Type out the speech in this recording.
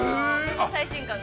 最新刊が。